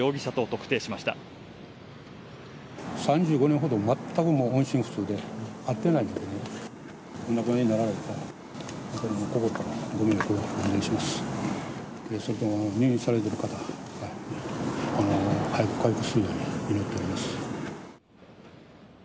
それと入院されてる方、早く回復するように祈っております。